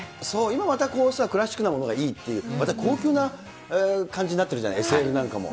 今またクラシックなものがいいっていう、高級な感じになってるじゃない、ＳＬなんかも。